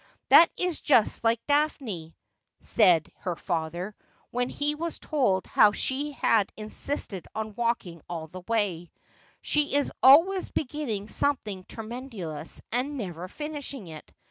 ' That is just like Daphne,' said her father, when he was told how she had insisted on walking all the way ' She is always beginning something tremendous and never finishing it.